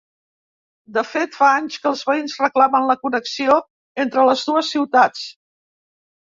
De fet, fa anys que els veïns reclamen la connexió entre les dues ciutats.